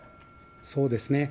そうですね。